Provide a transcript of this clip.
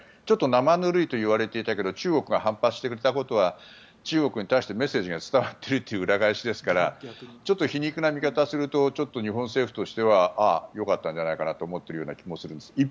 ちょっと生ぬるいといわれていたけど中国が反発してくれたことは中国に対してメッセージが伝わっているという裏返しですからちょっと皮肉な見方をすると日本政府としてはああ、よかったんじゃないかと思っている気もするんです。